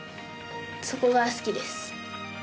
そこが好きです。